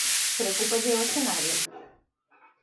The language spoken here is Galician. ¿Preocúpalle o escenario?